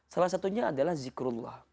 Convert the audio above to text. salah satunya adalah zikrullah